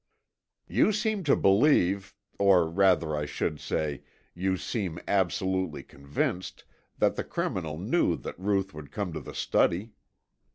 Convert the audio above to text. "You seem to believe, or rather I should say, you seem absolutely convinced that the criminal knew that Ruth would come to the study.